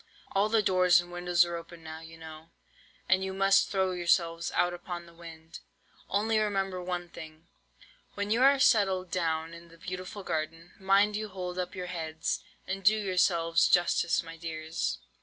All the doors and windows are open now, you know, and you must throw yourselves out upon the wind. Only remember one thing, when you are settled down in the beautiful garden, mind you hold up your heads, and do yourselves justice, my dears.